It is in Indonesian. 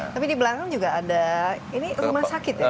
tapi di belakang juga ada ini rumah sakit ya